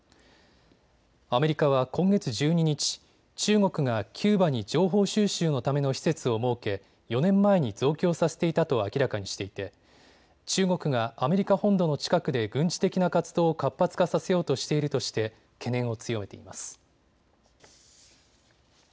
アメリカは今月１２日、中国がキューバに情報収集のための施設を設け４年前に増強させていたと明らかにしていて中国がアメリカ本土の近くで軍事的な活動を活発化させようとしているとして懸念を強めています。